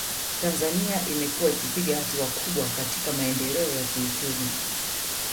Tanzania imekuwa ikipiga hatua kubwa katika maendeleo ya kiuchumi